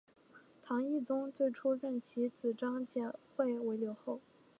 唐懿宗最初任其子张简会为留后。